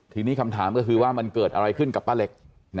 ทีนี้คำถามก็คือว่ามันเกิดอะไรขึ้นกับป้าเล็ก